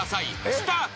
スタート］